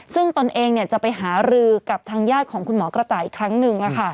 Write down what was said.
ซึ่งตนเองจะไปหารือกับทางญาติของคุณหมอกระต่ายอีกครั้งหนึ่ง